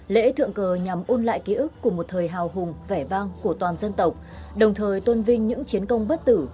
lễ thượng cờ nhằm ôn lại ký ức của một thời hào hùng vẻ vang của toàn dân tộc đồng thời tôn vinh những chiến công bất tử